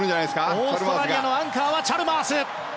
オーストラリアのアンカーはチャルマース。